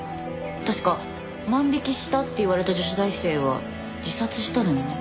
確か万引きしたって言われた女子大生は自殺したのよね。